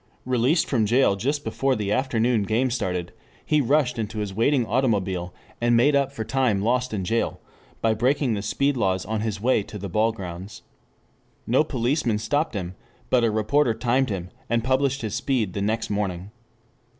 Released from jail just before the afternoon game started, he rushed into his waiting automobile, and made up for time lost in jail by breaking the speed laws on his way to the ball grounds. No policeman stopped him, but a reporter timed him, and published his speed the next morning.